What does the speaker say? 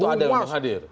itu ada yang hadir